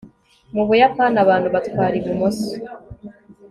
mu buyapani abantu batwara ibumoso